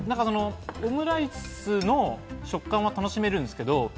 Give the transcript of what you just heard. オムライスの食感を楽しめるんですけれど。